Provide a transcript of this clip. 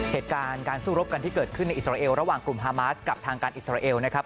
เหตุการณ์การสู้รบกันที่เกิดขึ้นในอิสราเอลระหว่างกลุ่มฮามาสกับทางการอิสราเอลนะครับ